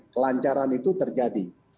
kelancaran itu terjadi